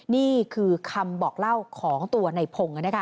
นี่คือคำบอกเล่าของตัวในพงศ์